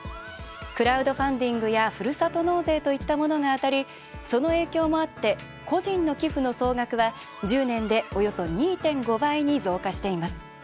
クラウドファンディングやふるさと納税といったものがあたり、その影響もあって個人の寄付の総額は、１０年でおよそ２．５倍に増加しています。